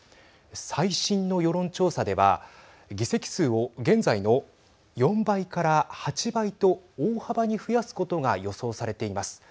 最新の世論調査では議席数を現在の４倍から８倍と大幅に増やすことが予想されています。